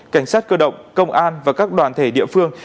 cảnh sát cơ động công an và các đoàn thể địa phương